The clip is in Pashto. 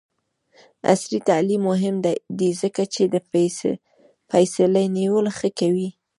عصري تعلیم مهم دی ځکه چې د فیصلې نیولو ښه کوي.